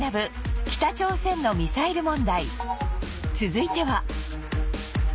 続いては